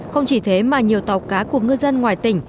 không chỉ thế mà nhiều tàu cá của ngư dân ngoài tỉnh